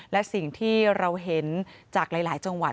และสิ่งที่เราเห็นจากหลายจังหวัด